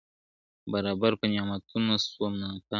برابر پر نعمتونو سو ناپامه `